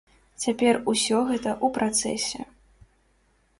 Цяпер усё гэта ў працэсе.